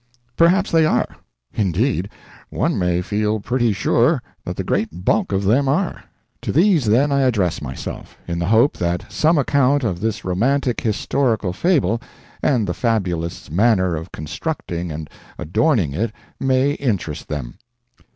Perhaps they are; indeed, one may feel pretty sure that the great bulk of them are. To these, then, I address myself, in the hope that some account of this romantic historical fable and the fabulist's manner of constructing and adorning it may interest them.